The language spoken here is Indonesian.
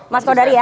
mas kodari ya